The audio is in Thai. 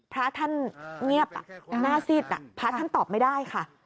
พระท่านเงียบหน้าซิดพระท่านตอบไม่ได้ค่ะ